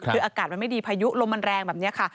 คืออากาศมันไม่ดีพายุลมมันแรงแบบนี้ค่ะ